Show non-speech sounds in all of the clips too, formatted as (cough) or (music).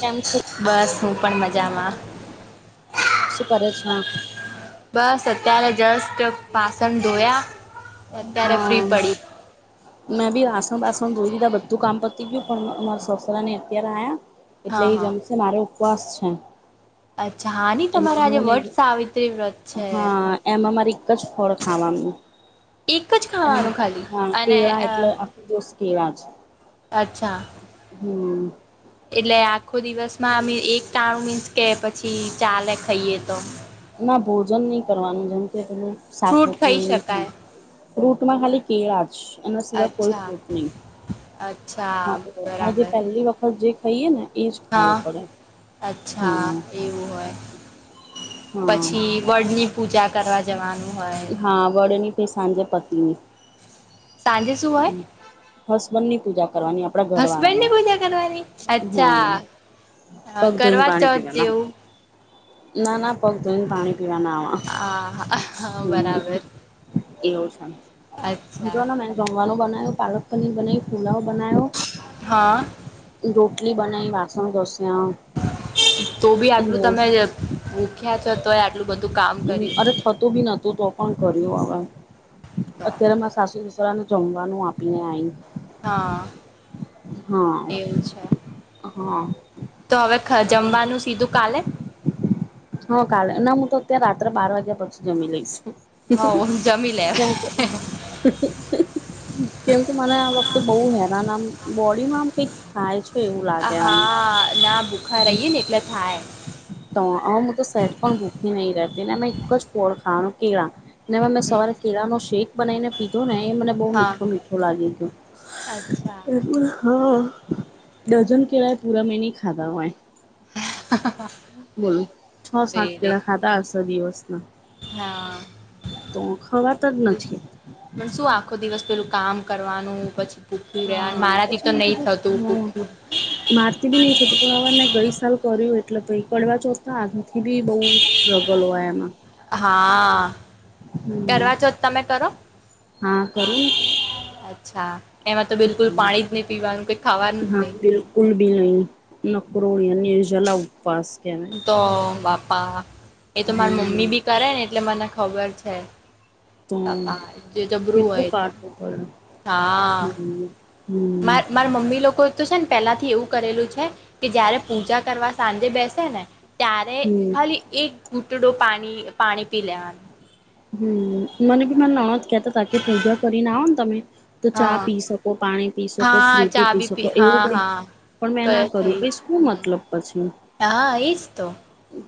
કેમ છે બસ હું પણ મજામાં શું કરે છે હ બસ અત્યારે જસ્ટ પાસણ ધોયા અત્યારે ફ્રી હમ પડી મેં ભી વાસણ બાસણ ધોઈ લિધા બધું કામ ગયું પણ અરા સસરા ને અત્યારે આયા એટલે હા એ હા જમશે મારે ઉપવાસ છે. અચ્છા હા ની એટલે તમારે હું આજે વટ નહી સાવિત્રી વ્રત છે હા એમાં મારી એક જ ફળ ખાવાનું એક જ એમ ખાવાનું ખાલી હા અને કેળા અ એટલે આખું દ કેળા છે અચ્છા એટલે આખો દિવસમાં અમે એક ટાણું મીન્સ કે પછી ચાલે ખાઈએ તો ના ભોજન નહી કરવાનું જેમ કે પેલું શાક ફ્રૂટ રોટલી ખાઈ એવું નહી ખા શકાય ફ્રૂટમાં ખાલી કેળા જ એના સિવાય કોઈ અચ્છા ફ્રૂટ નહી. અચ્છા હા એ આજ બરાબર પહેલી વખત જે ખાઈએ ને એજ ખાવું હા પડે અચ્છા હા એવું હોય હા પછી વડની પૂજા કરવા જવાનું હોય. કે સાંજે પતિની સાંજે શું હોય હસબન્ડ ની પૂજા કરવાની આપડા ઘર હસબેન્ડ વાળાને ની પૂજા કરવાની હા અચ્છા પગ ધોઈને કરવા પાણી ચોથ પીવાના જેવું ના ના ધોઈને પાણી પીવાનાવા હા હમ બરાબર એવું છે, અચ્છા જોને મે જમવાનું બને પાલક પનીર બનાવુ, પુલાવ બનાયો રો હા રોટલી બનાવી વાસણ કરશે. તો બી આટલું તમે ભૂખ્યા છો તોય આટલું બધું કામ હ અરે કર્યું થતો બી નતો તો પણ કર્યું હવે તો અત્યારે મા સાસુ સસરાને જમવાનું આપીને આઈ. હા હા એવું છે. હા તો હવે જમવાનું સીધું કાલે હા કાલે ના હું તો અત્યારે રાત્રે બાર વાગ્યા પછી જમી લઈશ. હ જમી લે કેમ કે કેમ કે મને આ વખતે બહુ હેરાન આમ બોડીમાં આમ કઈક થાય છે. એવું લાગે આમ હા ના ભૂખા રહીએે ને એટલે થાય. તો હ હું તો સેટ પણ ભૂખી નહી રહેતી અમે એક જ ફળ ખાવાનું કેળા નેવે મેં હમ સવારે કેળાનોો શેક બનાવીને પીધો ને એ મને બહુ હા મીઠો મીઠો લાગી ગું અચ્છા હા ડઝન કેરાએ પૂરા મે ન ખાધા હો બોલો છ રે સાત રે કેળ ખાતા હશે દિવસ ના હા તો ખવારત જ નથી પણ શું આખો દિવસ પેલું કામ કરવાનું પછી ભૂખું રહ્યા હા મારાથી તો નહી થતું ભૂખ હમ. મારતી બી નઈ છ તો હવેને ગઈ સાલ કર્યું એટલે પકડવા ચોતા આગથી બી બહુ સ્ટ્રગલ હોય એમાં હા હમ કરવા છો જ તમે કરો હા કરું અચ્છા એમાં તો બિલકુલ પાણી જ નહી પીવાનું કઈ ખાવાનું જ હા નહી બિલકુલ બી નહી નકરો જલા ઉપવાસ કહેવાય તો બાપા એ તો માર હમ મમ્મી બી કરે ને એટલે મને ખબર છે. તો ા જે જબરું કેટલું હોય તો કાઠવું પડે હા હમ હમ મા મારા મમ્મી લોકો તો છે ને પેલા થી એવું કરેલું છે કે જયારે પૂજા કરવા સાંજે બેસે ને ત્યારે હમ ખાલી એક ઘૂટડો પાણી પાણી પી લેવાનો હમ મને બી મ નણો કતા તા કે પૂજા કરીને આવો ને તમે તો ચા હા પી શકો પાણી પી શકો હા ફ્રૂટી ચા પી બી શકો એવું હા કઈ હા પણ મેં ના કયો કર્યું થઈ ક શું હમ મતલબ પછી હા એજ તો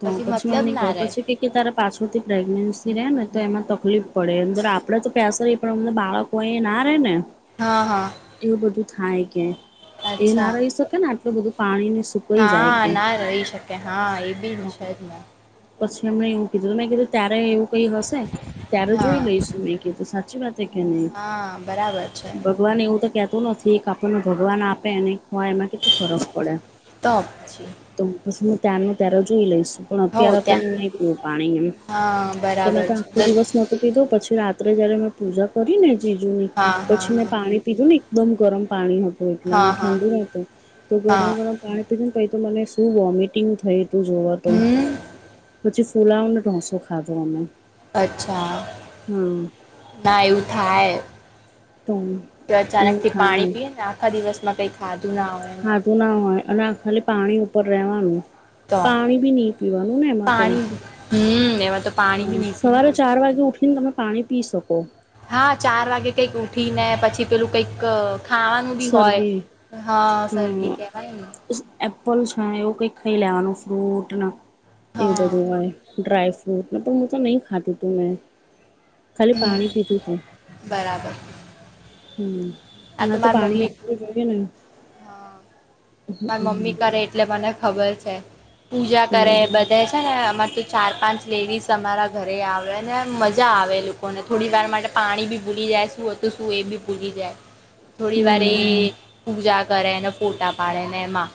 તો પછી મતલબ મે ગ ના રે પછી કે તારા પાછળથી પ્રેગનેન્સી રહે ને તો એમાં તકલીફ પડે અંદર આપણે તો પેસ રહીએ પણ અમં બાળકો એ ના રહે ને હા હા એવું બધું થાય કે એ ના અચ્છા રહી શકે આટલું બધું પાણી ને હા ના રહી શકે હા એ બી છે ન પછી એમને એવું કીધું મેં કીધું ત્યારે એવું કઈ હશે ત્યારે જોઈ હા લઈશું મેં કીધું સાચી વાત કે નહી હા બરાબર છે ભગવાન એવું તો કેતું નથી આપણને ભગવાન આપેને હો એમાં કેટલું ફરક પડે તો પછી તો પછી ત્યાંનું ત્યારે જોઈ લઈશું પણ હો અત્યારે તો હું ત્યાં નહી જોું પાણી એમ હા તો મેં બરાબર તો આખો છે દિવસ નક પી દો પછી રાત્રે જયારે મેં પૂજા કરી ને બીજું નહી હા હા પછી મેં હા પાણી પીધું ને એકદમ ગરમ પાણી હતું. એટલેમ હા હા ઠંડુ નતું તો ગરમ હા ગરમ પાણી પીજું ને પછ તો મને શું વોમિટિંગ થઈ જોવા તો હમ પછી ફૂલાઓને ઢોસો ખાધો અમે અચ્છા હા ના એવું થાય તો તો અચાનક એવું થી થાય પાણી પીએ ને આખા દિવસ ખાધું ના હોય અને આ ખાલી પાણી ઉપર રહેવાનું તો પાણી ભી નહી પીવાનું નાને એમ તો પાણી હમ એમાં તો પાણી બી નહી સવારે પીવાનું ચાર વાગે ઉઠીને તમે પાણી પી શકો હા ચાર વાગે કઈક ઉઠી ને પછી પેલું કઈક ખાવાનું બી હોય સરગી હા સરગી હમ કહેવાય ને છે એપલ એવું કઈક ખાઈ લેવાનું ફ્રૂટ ને એવું હા બધું હોય ડ્રાયફ્રટ બત પણ મુું તો નહી ખાતી તું મેં ખાલી પાણી હમ પીધું તું બરાબર હમ આ ના તો મારી પાણી મમ્મી એટલું જોઈએ ને માર હમ મમ્મી કરે એટલે મને ખબર છે. પૂજા કરે બધે છે ને અમાર તો ચાર પાંચ લેડીઝ તમારા ઘરે આવે ને મજા આવે લોકોને થોડી વાર માટે પાણી બી ભૂલી જાય શું હતું શું એ બ બી ભૂલી જાય. થોડી વાર હમ એ પૂજા કરે ને ફોટા પાડે ને એમાં.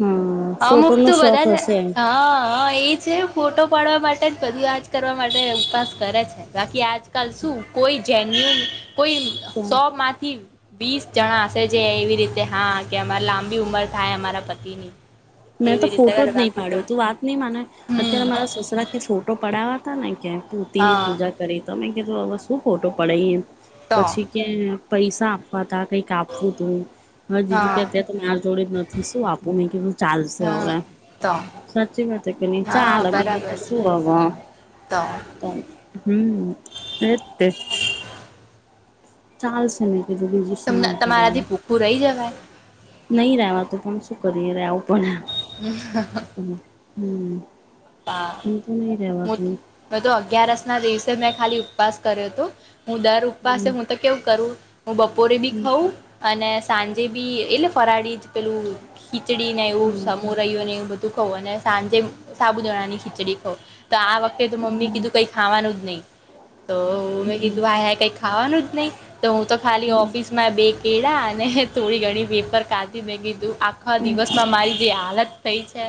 હા ફોટો અમુક નો તું શોખ બધા જ, હશે હા હા એ છે ફોટો પાડવા માટે જ બધું આજ કરવા માટે ઉપાસ કરે છે બાકી આજ શું કોઈ જેન્યુન કોઈ તો સો માંથી વીસ જણા હશે જે એવી રીતે હા કે અમારે લાંબી ઉંમર થાય અમારા પતિની મેં તો એવી રીતે ફોટો જ કરે નહી બાકી તો પાડ્યો. તું વાત નહી માને અત્યારે હમ મારા સસરા કે ફોટો પડાવવા તા ને કે કૂતિની હા પૂજા કરી તો અમે કીધું હવે શું ફોટો પડાય એમ. તો પછી કે પૈસા આપવા તા કંઈક આપવું તું એ હા બીજું કે અત્યારે તોર જોડે જ નથી શું આપું મેં કેધું. હા તો સાચી વાત કે ચાલ હા બીજું તો બરાબર શું છે હવે. તો હમ્મ એ જ તે. ચાલશે ની બીજું શું તમને તમારાથી ભૂખું રહી જવાય નહી રવા તો પણ શું કરીએ પણ રેવું પડે. હમ્મ હમ્મ. તા, બધું અગયારસ ના દિવસ મેં ખાલી ઉપવાસ કર્યો તો. હું દર હમ ઉપવાસે હું તો કેવું કરું હું બપોરે બી હમ ખાઉં અને સાંજે બી એટલે ફરાળી જ પેલું ખીચડી ને એવું હમ સમોરયો ને એવું બધું કહું અને સાંજે સાબુદાણાની ખીચડી ખઉ તો આ વખતે તો મમ્મી કીધું કંઈ ખાવાનું જ નહી. તો મેં હમ કીધું આ કઈ ખાવાનું જ નહી તો હું તો ખાલી ઓફિસ માં બે કેળા અને થોડી ઘણી વેફર કાઢી મે કીધું આખા હમ દિવસમાં મારી જે હાલત થઈ છે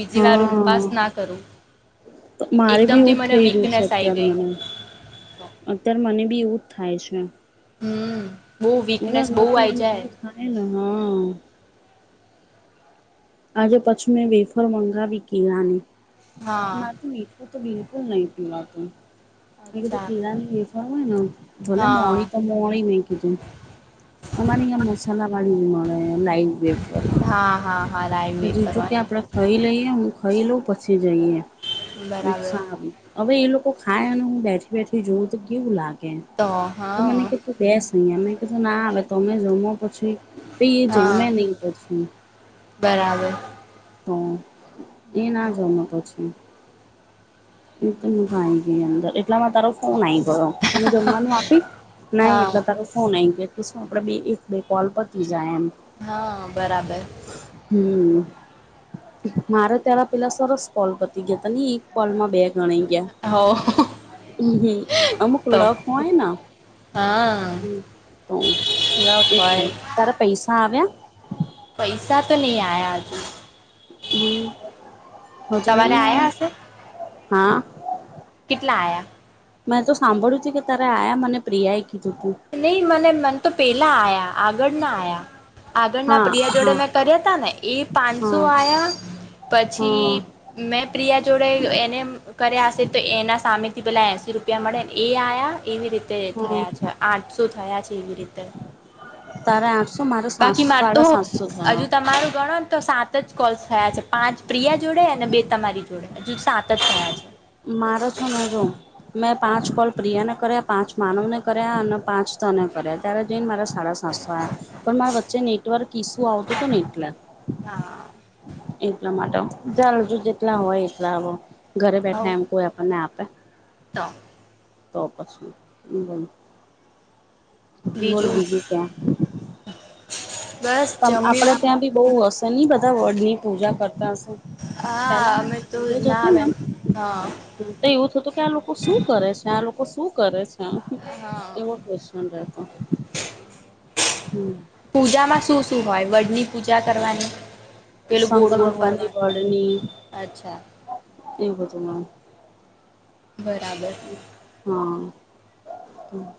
બીજી વાર હા ઉપવાસ ના કરું. મારે બી એકદમથી એવું મને થઈ રહ્યું છે વીકનેસ આઈ અત્યારે ગઈ. મને અત્યારે મને બી એવું થાય છે. હમ્મ. મરા નથી હું એવું થાય ને હા. આજે પછી મેં વેફર મંગાવી કે હા આનેથી મીઠું તો બી કુલ નહી પીવાતું. એ કેધુ અચ્છા કેલાની વેફર હોય ને ભલે હા મોણી તો મોણી મેં કીધું. અમારે અહં મસાલાવાડી મળે લઇટ વેફર. હા હા હા લાઈવ તો એ બીજું કે કરવાની આપડે ખરી લઈએ ખાઈ લઉ પછી જઈએ બરાબર મિકસા હવે એ લોક તો ખા અને હું બેઠી બેઠી જોઉં તો કેવું લાગે તો તો મને હા કે તું બેસ અહી અમે હું ના આવે તમે જમો પછી એ જમે હા નહી પછી. બરાબર. તો એ ના જમે પછી. એ તો (inaudible) આવી ગઈ અંદર એટલામાં તારો ફોન આ આવી ગયો. હું જમવાનું નાખું આપી નઈ એટલે હા તારો ફોન આઈ ગયો. શું આપડ બે એક બે કોલ પતી જાય એમ. હા, બરાબર. હમ્મ, મારે તારા પેલા સરસ કોલ પતી ગયા હતા ની એક કોલમાં હા. હમ્મ, અમુક લખ હોયને. હા તો ન હોય એટલો, તારા પૈસા આવ્યા? પૈસા તો નહી આયા આજુ. હમ્મ. હજુ તમારે નહી હ આયા હશે હા કેટલા આયા મેં તો સાંભળ્યું છે કે તારે આયા મને પ્રિયા કીધું તું નહી મને મન તો પેલા આયા આગળના આયા આગળના હા પ્રિયા જોડે હા મેં કર્યા હતા ને એ પાંચસો હા આયા પછી હા મેં પ્રિયા જોડે એને કર્યા હશે તો એના સામે તે પેલાં એંસી રૂપિયા મળે ને એ આયા એવી રીતે હા થયા છે આઠસો થયા છે એવી રીતે તારા આઠસો મારા સાત બાકી માર તો સાડા સાતસો હજુ થયા તમારું ગણો તો સાત સાત જ કોલ્સ થયા છે પાંચ પ્રિયા જોડે અને બે તમારી જોડે હજુ સાત જ થયા છે મારો છેને જો મેં પાંચ કોલ પ્રિયાને કર્યા પાંચ માનવને કર્યા અને પાંચ કરે ત્યારે જઈને મારા સાડા સાતસો પણ મારા વચ્ચે નેટવર્ક ઇસ્યૂ આવતું તું ને એટલે હા એટલા માટે ચાલ જો જેટલા હોય એટલા હવે ઘરે હવ બેઠા એમ કોઈ આપણને આપે? તો તો પછી એજ બેલ બીજું કાય બસ ત આપડે જમ્યું ત્યાં બી બઉ હશે ની બધા વડ ની પૂજા કરતા હશે પેલા હા હું અમે તો સ્કુલે ના જતીને અમે હા હ તો એવું થતું કે આ લોકો શું કરે છે આ લોકો શું કરે છે હ હા એવો ક્વેશચન રેતો પૂજામાં શું શું હોય વડની પૂજા કરવાની પેલું ગોળ શંકર ગોળ ભગવાનની ફરવાનું હોય વળણી અચ્છા એવું બધું બરાબર હા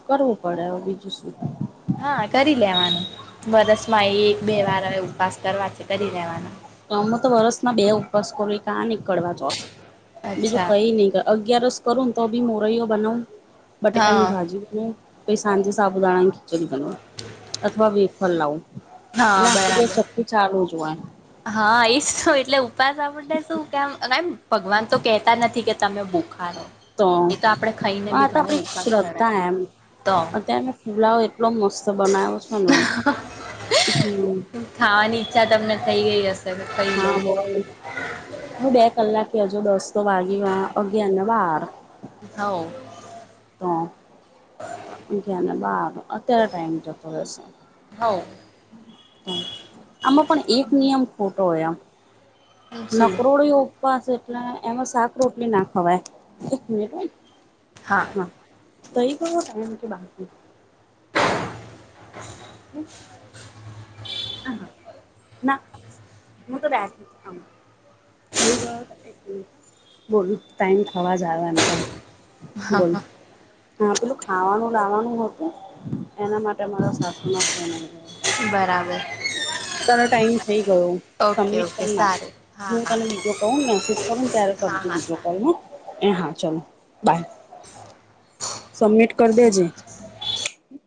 કરવું પડે હવે બીજું સુ વરસ માં એ એક બે વાર ઉપવાસ કરવા છે કરી દેવાના તો અમે તો વરસમાં બે ઉપવાસ કર કા નીકળવા જા બીજું અચ્છા કઈ નહી અગિયારસ કરું ને તો બી મોરૈયો બનાવુ બટેકા હા ની ભાજી બનાવુ પછી સાંજે સાબુદાણા ની બનવ અથવા બેફર લાવું હા એટલે આખું દિવસ બરાબર ચકી ચાલુ જ હોય હા એ જ શું એટલે ઉપાસ આપને શું કેમ ભગવાન તો કહેતા નથી કે તમે બ એ તો આપણે ખાઈને આ બી તો ઘણો આપડી ઉપવાસ કરાય શ્રદ્ધા એમ તો અત્યારે મેં ફુલાવ એટલો મસ્ત બનાવ્યો છે ને હમ ખાવાની ઈચ્છા તમને થઈ ગઈ હશે કે ખાઈ હા લઉં બો હું બે કલાકે હજુ દસ તો વાગ્યા અગિયારને બાર હા તો અગિયાર ને બાર અત્યારે ટાઈમ જતો રહેશે હવ આમાં પણ એક નિયમ ખોટો હોય આમ શું નકરોડી ઉપવાસ એટલે એમાં શાક રોટલી ના ખવાય એક મિનિટ હો હા થઈ ગયો ટાઇમ કે બાકી? હ હમ હ હા ના હું તો બે હ બોલ ટાઈમ થવા જ આયો એમ પણ હા બોલ હા પેલું ખાવાનું લાવાનું હતું એના માટે તા મારા સાસુ નો ફોન આઈ ગયો બરાબર તારો ટાઈમ થઈ ગયો ઓકે સબમિટ ઓકે કર નાખ સારું હા હું હા તને બીજો કહ મેસેજ કરું ત્યારે હા કરજે હા બીજો સારું કોલ ન એ હા ચાલો સબમિટ કરી દેજે.